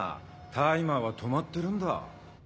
タイマーは止まってるんだ。